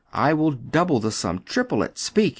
I will double the sum ! triple it ! Speak